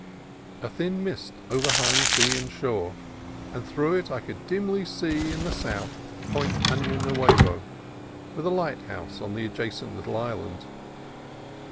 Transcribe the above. A thin mist overhung sea and shore, and through it I could dimly see in the south Point Ano Nuevo, with a lighthouse on the adjacent little island.